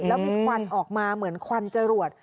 แล้วมีควันออกมาเหมือนควันจรวด